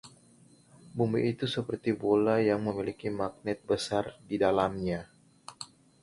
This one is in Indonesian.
Bumi itu seperti bola yang memiliki magnet besar di dalamnya.